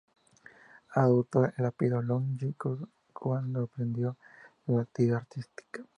Adoptó el apellido Longhi cuando emprendió la actividad artística.